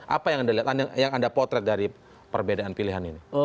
apa yang anda lihat yang anda potret dari perbedaan pilihan ini